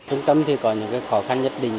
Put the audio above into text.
trung tâm thì có những khó khăn nhất định